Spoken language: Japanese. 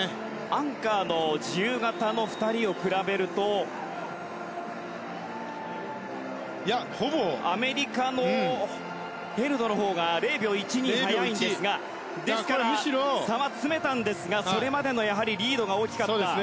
アンカーの自由形の２人を比べるとアメリカのヘルドのほうが０秒１２速いんですがですから差は詰めたんですがそれまでのリードが大きかった。